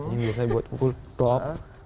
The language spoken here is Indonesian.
ini biasanya buat mukul top